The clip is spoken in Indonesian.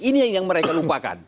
ini yang mereka lupakan